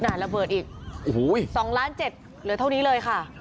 ระเบิดอีกโอ้โห๒ล้านเจ็ดเหลือเท่านี้เลยค่ะ